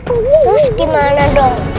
terus gimana dong